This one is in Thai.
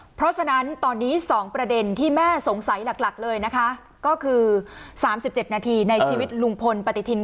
เพราะฉะนั้นตอนนี้๒ประเด็นที่แม่สงสัยหลักเลยนะคะก็คือ๓๗นาทีในชีวิตลุงพลปฏิทิน